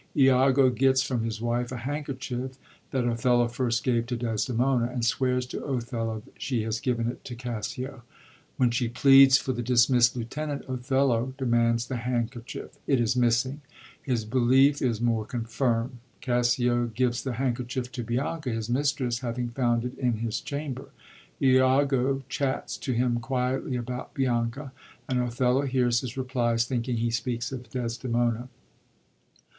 lago gets from his wife a handkerchief that Othello first gave to Desdemona, and swears to Othello she has given it to Cassio. When she pleads for the dismist lieutenant, Othello demands the hand kerchief. It is missing. His belief is more confirmd. Cassio gives the handkerchief to Bianca, his mistress, having found it in his chamber. lago chats to him quietly about Bianca, and Othello hears his replies, thinking he speaks of Desdemona.